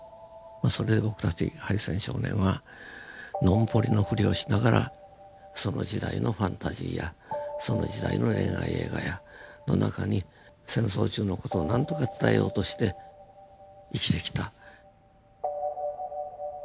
それで僕たち敗戦少年はノンポリのフリをしながらその時代のファンタジーやその時代の恋愛映画の中に戦争中の事を何とか伝えようとして生きてきた。